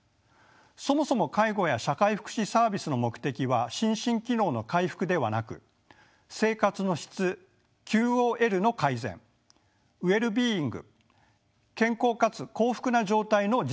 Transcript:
そもそも介護や社会福祉サービスの目的は心身機能の回復ではなく生活の質ＱＯＬの改善ｗｅｌｌ−ｂｅｉｎｇ健康かつ幸福な状態の実現にあります。